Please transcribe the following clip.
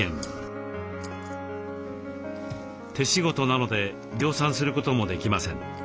手仕事なので量産することもできません。